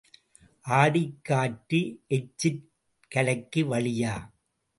ஆடிக் காற்று எச்சிற் கலைக்கு வழியா?